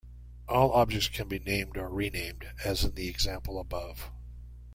All objects can be named or renamed, as in the example above.